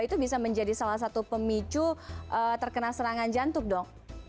itu bisa menjadi salah satu pemicu terkena serangan jantung dong